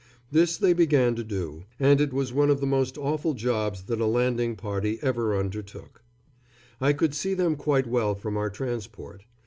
This they began to do and it was one of the most awful jobs that a landing party ever undertook. I could see them quite well from our transport.